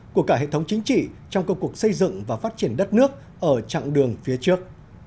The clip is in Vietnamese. của cả hệ thống chính trị trong công cuộc xây dựng và phát triển đất nước ở chặng đường phía trước